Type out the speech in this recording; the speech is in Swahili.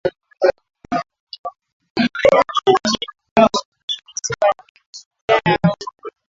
Washambuliaji wasiojulikana walikuwa na silaha